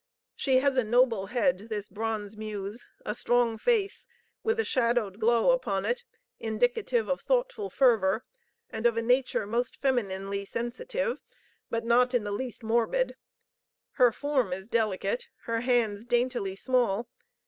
She has a noble head, this bronze muse; a strong face, with a shadowed glow upon it, indicative of thoughtful fervor, and of a nature most femininely sensitive, but not in the least morbid. Her form is delicate, her hands daintily small.